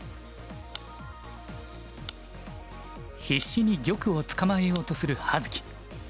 必死に玉を捕まえようとする葉月。